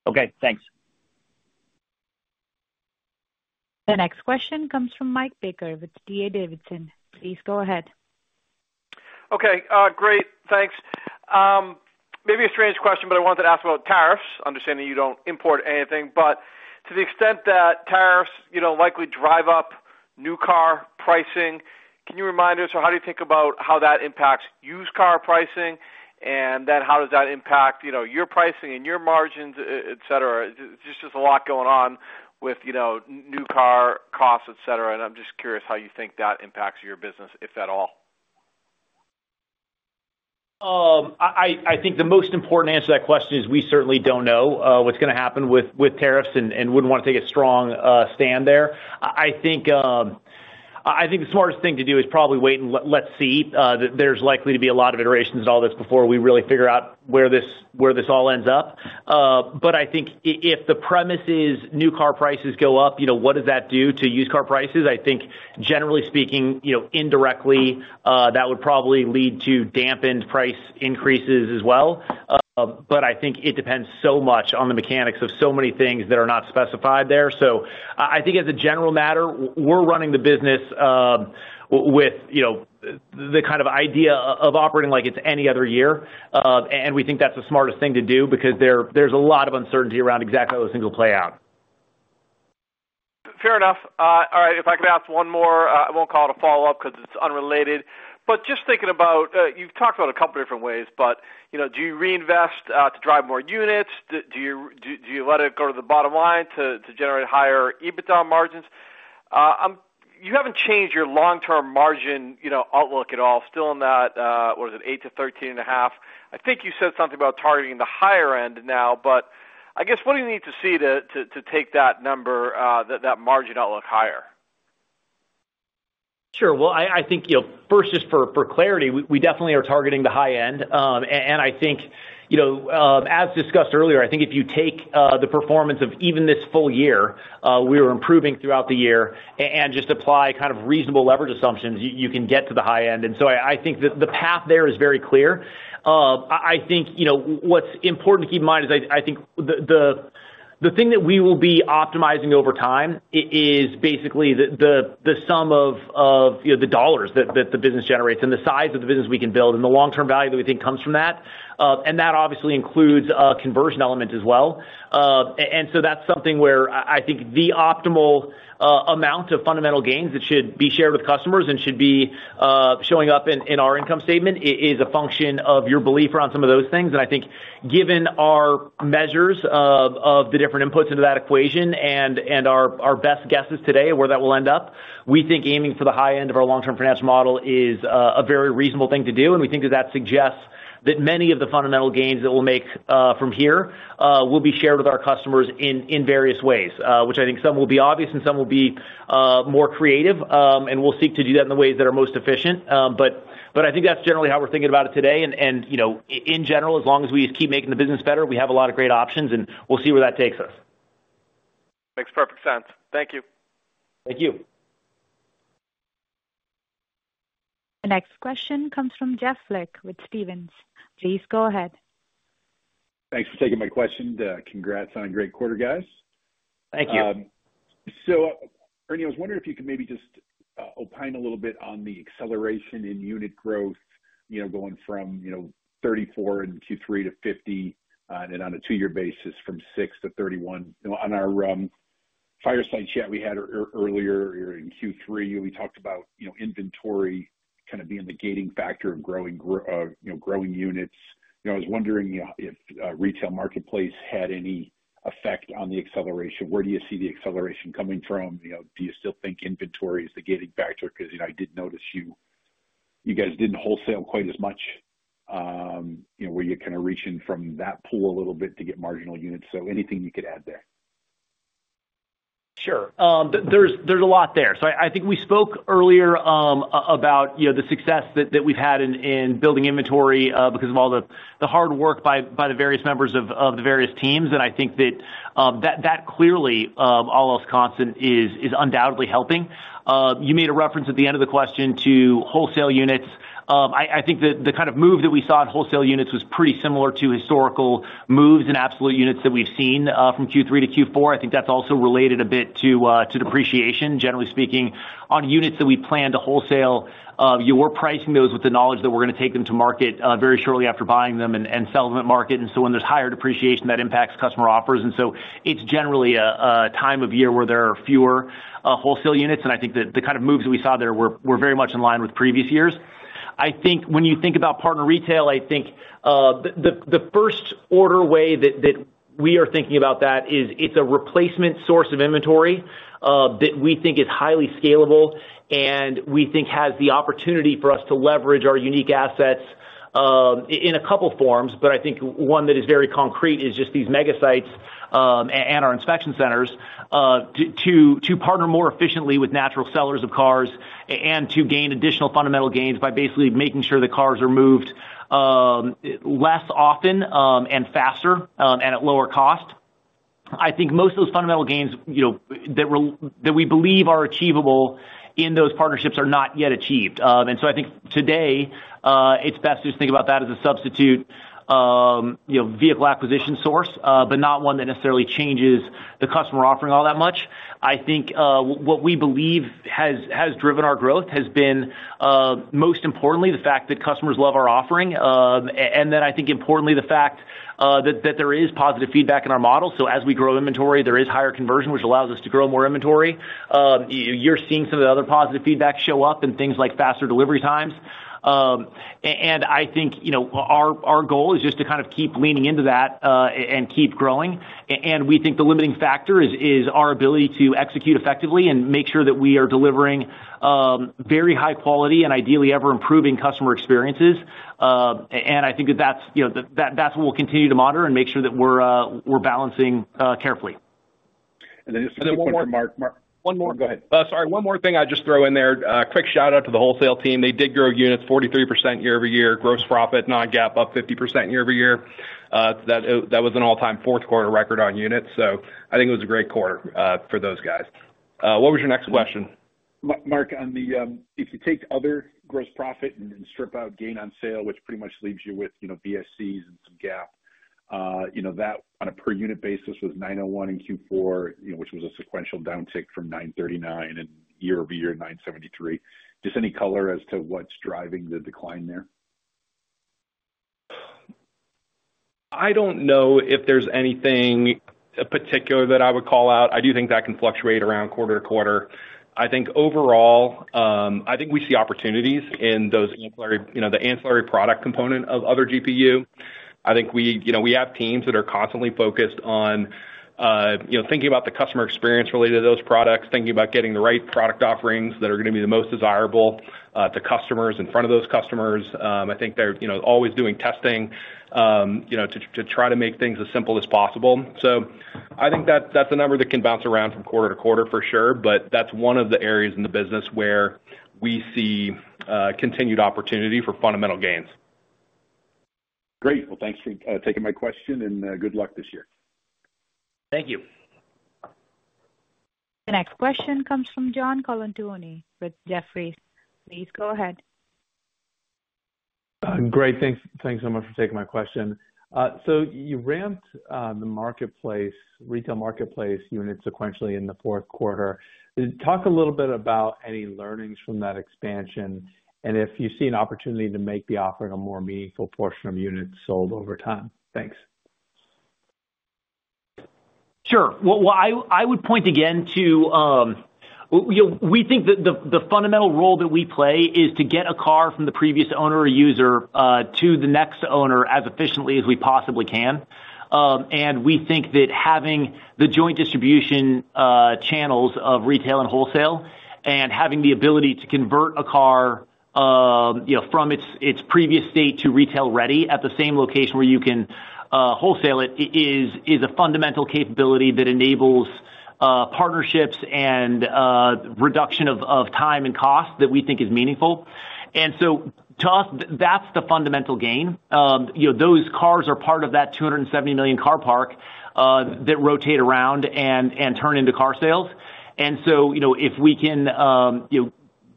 Okay. Thanks. The next question comes from Mike Baker with D.A. Davidson. Please go ahead. Okay. Great. Thanks. Maybe a strange question, but I wanted to ask about tariffs, understanding you don't import anything. But to the extent that tariffs likely drive up new car pricing, can you remind us, or how do you think about how that impacts used car pricing? And then how does that impact your pricing and your margins, etc.? There's just a lot going on with new car costs, etc. And I'm just curious how you think that impacts your business, if at all. I think the most important answer to that question is we certainly don't know what's going to happen with tariffs and wouldn't want to take a strong stand there. I think the smartest thing to do is probably wait and let's see. There's likely to be a lot of iterations and all this before we really figure out where this all ends up. But I think if the premise is new car prices go up, what does that do to used car prices? I think, generally speaking, indirectly, that would probably lead to dampened price increases as well. But I think it depends so much on the mechanics of so many things that are not specified there. So I think as a general matter, we're running the business with the kind of idea of operating like it's any other year. We think that's the smartest thing to do because there's a lot of uncertainty around exactly how those things will play out. Fair enough. All right. If I could ask one more, I won't call it a follow-up because it's unrelated. But just thinking about you've talked about a couple of different ways, but do you reinvest to drive more units? Do you let it go to the bottom line to generate higher EBITDA margins? You haven't changed your long-term margin outlook at all. Still in that, what is it, 8%-13.5%? I think you said something about targeting the higher end now, but I guess what do you need to see to take that margin outlook higher? Sure. Well, I think first, just for clarity, we definitely are targeting the high end. And I think, as discussed earlier, I think if you take the performance of even this full year, we were improving throughout the year, and just apply kind of reasonable leverage assumptions, you can get to the high end. And so I think the path there is very clear. I think what's important to keep in mind is I think the thing that we will be optimizing over time is basically the sum of the dollars that the business generates and the size of the business we can build and the long-term value that we think comes from that. And that obviously includes a conversion element as well. And so that's something where I think the optimal amount of fundamental gains that should be shared with customers and should be showing up in our income statement is a function of your belief around some of those things. And I think given our measures of the different inputs into that equation and our best guesses today where that will end up, we think aiming for the high end of our long-term financial model is a very reasonable thing to do. And we think that that suggests that many of the fundamental gains that we'll make from here will be shared with our customers in various ways, which I think some will be obvious and some will be more creative. And we'll seek to do that in the ways that are most efficient. But I think that's generally how we're thinking about it today. In general, as long as we just keep making the business better, we have a lot of great options, and we'll see where that takes us. Makes perfect sense. Thank you. Thank you. The next question comes from Jeff Lick with Stephens. Please go ahead. Thanks for taking my question. Congrats on a great quarter, guys. Thank you. Ernie, I was wondering if you could maybe just opine a little bit on the acceleration in unit growth going from 34 in Q3 to 50 and on a two-year basis from six to 31. On our fireside chat we had earlier in Q3, we talked about inventory kind of being the gating factor of growing units. I was wondering if retail marketplace had any effect on the acceleration. Where do you see the acceleration coming from? Do you still think inventory is the gating factor? Because I did notice you guys didn't wholesale quite as much. Were you kind of reaching from that pool a little bit to get marginal units? Anything you could add there? Sure. There's a lot there. So I think we spoke earlier about the success that we've had in building inventory because of all the hard work by the various members of the various teams. And I think that that clearly, all else constant, is undoubtedly helping. You made a reference at the end of the question to wholesale units. I think the kind of move that we saw in wholesale units was pretty similar to historical moves in absolute units that we've seen from Q3 to Q4. I think that's also related a bit to depreciation, generally speaking. On units that we plan to wholesale, you were pricing those with the knowledge that we're going to take them to market very shortly after buying them and sell them at market. And so when there's higher depreciation, that impacts customer offers. And so it's generally a time of year where there are fewer wholesale units. And I think that the kind of moves that we saw there were very much in line with previous years. I think when you think about partner retail, I think the first-order way that we are thinking about that is it's a replacement source of inventory that we think is highly scalable and we think has the opportunity for us to leverage our unique assets in a couple of forms. But I think one that is very concrete is just these Mega Sites and our inspection centers to partner more efficiently with natural sellers of cars and to gain additional fundamental gains by basically making sure that cars are moved less often and faster and at lower cost. I think most of those fundamental gains that we believe are achievable in those partnerships are not yet achieved. And so I think today, it's best to just think about that as a substitute vehicle acquisition source, but not one that necessarily changes the customer offering all that much. I think what we believe has driven our growth has been, most importantly, the fact that customers love our offering. And then I think, importantly, the fact that there is positive feedback in our model. So as we grow inventory, there is higher conversion, which allows us to grow more inventory. You're seeing some of the other positive feedback show up in things like faster delivery times. And I think our goal is just to kind of keep leaning into that and keep growing. We think the limiting factor is our ability to execute effectively and make sure that we are delivering very high quality and ideally ever-improving customer experiences. I think that that's what we'll continue to monitor and make sure that we're balancing carefully. And then just one more from Mark. One more. Go ahead. Sorry. One more thing I'd just throw in there. Quick shout-out to the wholesale team. They did grow units 43% year over year. Gross profit Non-GAAP up 50% year-over-year. That was an all-time fourth-quarter record on units. So I think it was a great quarter for those guys. What was your next question? Mark, if you take other gross profit and then strip out gain on sale, which pretty much leaves you with VSCs and some GAAP, that on a per-unit basis was $901 in Q4, which was a sequential downtick from $939 and year-over-year $973. Just any color as to what's driving the decline there? I don't know if there's anything particular that I would call out. I do think that can fluctuate around quarter-to-quarter. I think overall, I think we see opportunities in the ancillary product component of Other GPU. I think we have teams that are constantly focused on thinking about the customer experience related to those products, thinking about getting the right product offerings that are going to be the most desirable to customers in front of those customers. I think they're always doing testing to try to make things as simple as possible. So I think that's a number that can bounce around from quarter-to-quarter for sure, but that's one of the areas in the business where we see continued opportunity for fundamental gains. Great. Well, thanks for taking my question and good luck this year. Thank you. The next question comes from John Colantuoni with Jefferies. Please go ahead. Great. Thanks so much for taking my question. So you ramped the retail marketplace units sequentially in the fourth quarter. Talk a little bit about any learnings from that expansion and if you see an opportunity to make the offering a more meaningful portion of units sold over time. Thanks. Sure. Well, I would point again to we think that the fundamental role that we play is to get a car from the previous owner or user to the next owner as efficiently as we possibly can. And we think that having the joint distribution channels of retail and wholesale and having the ability to convert a car from its previous state to retail-ready at the same location where you can wholesale it is a fundamental capability that enables partnerships and reduction of time and cost that we think is meaningful. And so to us, that's the fundamental gain. Those cars are part of that 270 million car park that rotate around and turn into car sales. And so if we can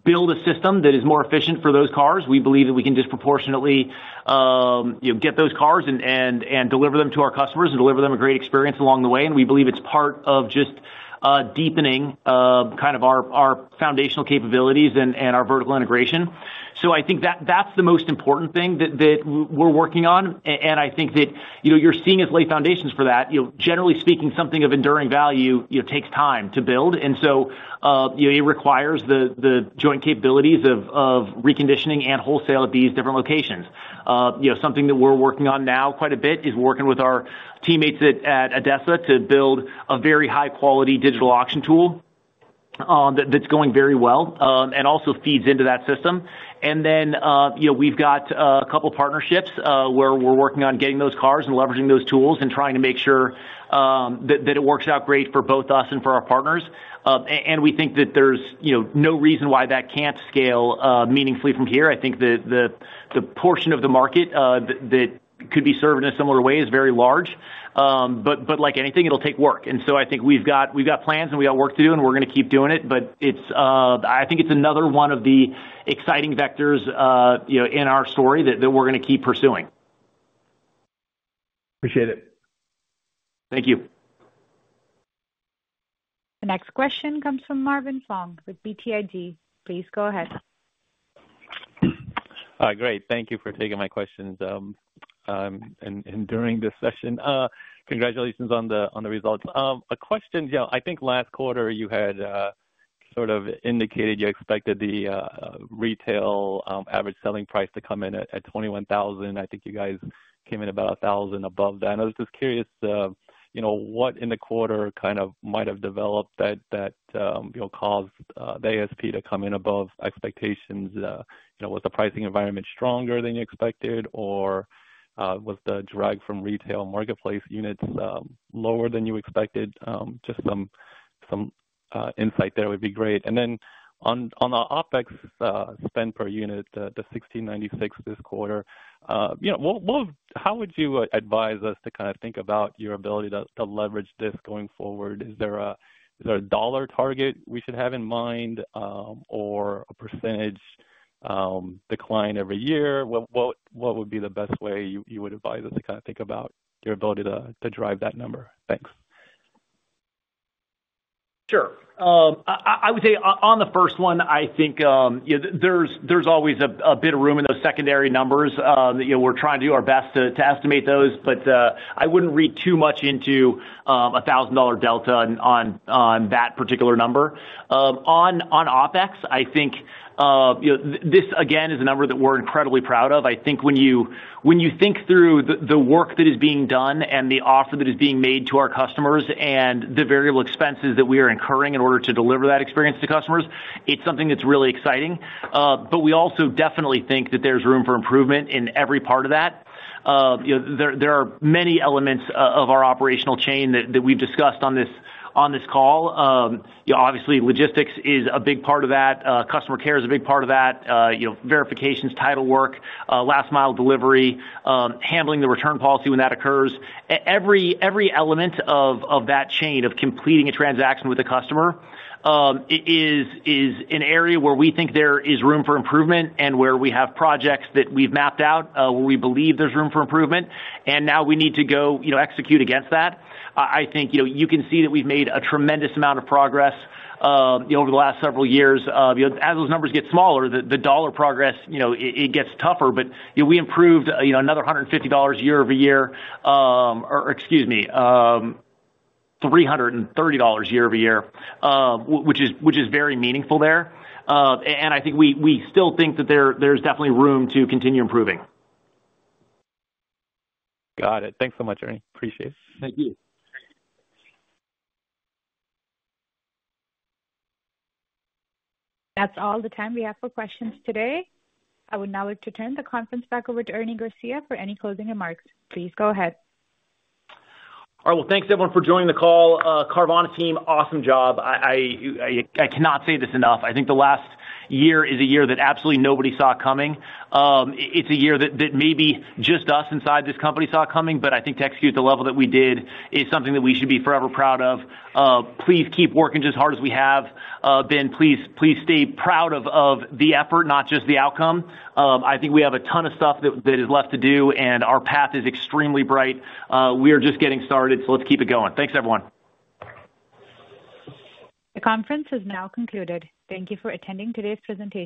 build a system that is more efficient for those cars, we believe that we can disproportionately get those cars and deliver them to our customers and deliver them a great experience along the way. And we believe it's part of just deepening kind of our foundational capabilities and our vertical integration. So I think that's the most important thing that we're working on. And I think that you're seeing us lay foundations for that, generally speaking, something of enduring value takes time to build. And so it requires the joint capabilities of reconditioning and wholesale at these different locations. Something that we're working on now quite a bit is working with our teammates at ADESA to build a very high-quality digital auction tool that's going very well and also feeds into that system. And then we've got a couple of partnerships where we're working on getting those cars and leveraging those tools and trying to make sure that it works out great for both us and for our partners. And we think that there's no reason why that can't scale meaningfully from here. I think the portion of the market that could be served in a similar way is very large. But like anything, it'll take work. And so I think we've got plans and we've got work to do, and we're going to keep doing it. But I think it's another one of the exciting vectors in our story that we're going to keep pursuing. Appreciate it. Thank you. The next question comes from Marvin Fong with BTIG. Please go ahead. Great. Thank you for taking my questions and during this session. Congratulations on the results. A question. I think last quarter you had sort of indicated you expected the retail average selling price to come in at $21,000. I think you guys came in about $1,000 above that. I was just curious what in the quarter kind of might have developed that caused the ASP to come in above expectations. Was the pricing environment stronger than you expected, or was the drag from retail marketplace units lower than you expected? Just some insight there would be great. And then on the OpEx spend per unit, the $1,696 this quarter, how would you advise us to kind of think about your ability to leverage this going forward? Is there a dollar target we should have in mind or a percentage decline every year? What would be the best way you would advise us to kind of think about your ability to drive that number? Thanks. Sure. I would say on the first one, I think there's always a bit of room in those secondary numbers. We're trying to do our best to estimate those, but I wouldn't read too much into a $1,000 delta on that particular number. On OpEx, I think this, again, is a number that we're incredibly proud of. I think when you think through the work that is being done and the offer that is being made to our customers and the variable expenses that we are incurring in order to deliver that experience to customers, it's something that's really exciting. But we also definitely think that there's room for improvement in every part of that. There are many elements of our operational chain that we've discussed on this call. Obviously, logistics is a big part of that. Customer care is a big part of that. Verifications, title work, last-mile delivery, handling the return policy when that occurs. Every element of that chain of completing a transaction with a customer is an area where we think there is room for improvement and where we have projects that we've mapped out where we believe there's room for improvement, and now we need to go execute against that. I think you can see that we've made a tremendous amount of progress over the last several years. As those numbers get smaller, the dollar progress, it gets tougher, but we improved another $150 year-over-year, or excuse me, $330 year-over-year, which is very meaningful there, and I think we still think that there's definitely room to continue improving. Got it. Thanks so much, Ernie. Appreciate it. Thank you. That's all the time we have for questions today. I would now like to turn the conference back over to Ernie Garcia for any closing remarks. Please go ahead. All right. Well, thanks everyone for joining the call. Carvana team, awesome job. I cannot say this enough. I think the last year is a year that absolutely nobody saw coming. It's a year that maybe just us inside this company saw coming. But I think to execute the level that we did is something that we should be forever proud of. Please keep working just as hard as we have been. Please stay proud of the effort, not just the outcome. I think we have a ton of stuff that is left to do, and our path is extremely bright. We are just getting started, so let's keep it going. Thanks, everyone. The conference has now concluded. Thank you for attending today's presentation.